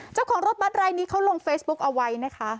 เจ้าของรถบัตรรายนี้เขาลงเฟซบุ๊กเอาไว้นะคะ